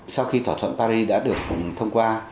sau khi thỏa thuận paris đã được thông qua